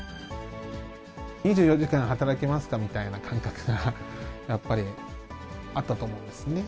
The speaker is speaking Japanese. ２４時間働けますかみたいな感覚がやっぱりあったと思うんですね。